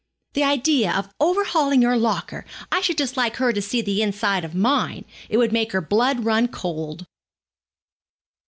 The idea of overhauling your locker! I should just like her to see the inside of mine. It would make her blood run cold.'